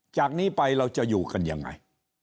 จากนี้ไปเราจะอยู่กันยังไง